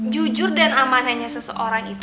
jujur dan amanahnya seseorang itu